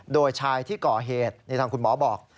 โดยชายที่ก่อเหตุนี่ทางคุณหมอบอก